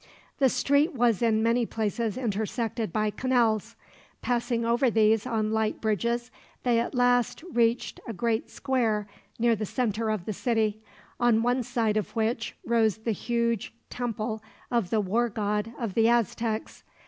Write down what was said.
The street was in many places intersected by canals. Passing over these on light bridges, they at last reached a great square near the center of the city, on one side of which rose the huge temple of the war god of the Aztecs.